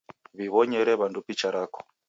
W'iw'onyere w'andu picha rako